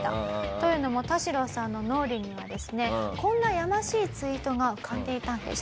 というのもタシロさんの脳裏にはですねこんなやましいツイートが浮かんでいたんです。